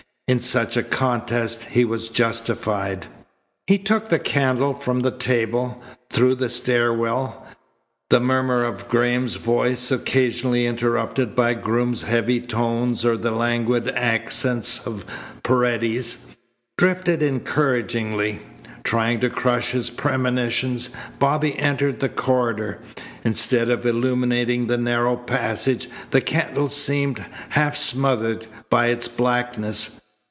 In such a contest he was justified. He took the candle from the table. Through the stair well the murmur of Graham's voice, occasionally interrupted by Groom's heavy tones or the languid accents of Paredes, drifted encouragingly. Trying to crush his premonitions, Bobby entered the corridor. Instead of illuminating the narrow passage the candle seemed half smothered by its blackness.